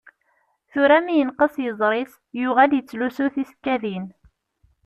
Tura mi yenqes yiẓri-s yuɣal yettlusu tisekkadin.